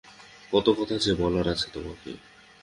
কত কথা যে বলার আছে তোমাকে।